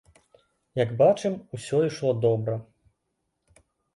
Як бачым, усё ішло добра.